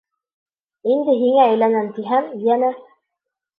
Инде һиңә әйләнәм тиһәм, йәнә!..